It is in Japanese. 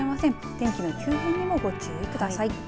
天気の急変にもご注意ください。